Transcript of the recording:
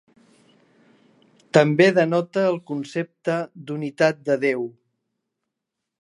També denota el concepte d'unitat de Déu.